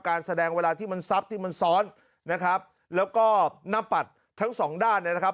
การแสดงเวลาที่มันซับที่มันซ้อนนะครับแล้วก็หน้าปัดทั้งสองด้านเนี่ยนะครับ